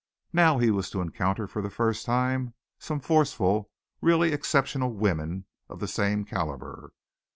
Now he was to encounter for the first time some forceful, really exceptional women of the same calibre.